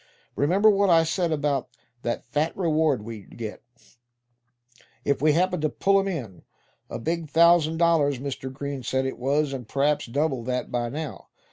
Remember what I said about that fat reward we'd get, if we happened to pull 'em in? A big thousand dollars, Mr. Green said it was; and p'raps double that by now.